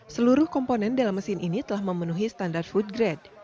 seluruh komponen dalam mesin ini telah memenuhi standar food grade